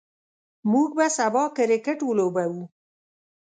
موږ به سبا کرکټ ولوبو.